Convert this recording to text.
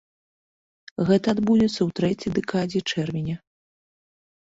Гэта адбудзецца у трэцяй дэкадзе чэрвеня.